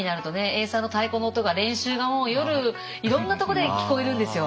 エイサーの太鼓の音が練習がもう夜いろんなとこで聞こえるんですよ。